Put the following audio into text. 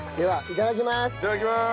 いただきます！